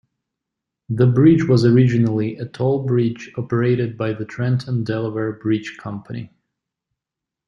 The bridge was originally a toll bridge operated by the Trenton Delaware Bridge Company.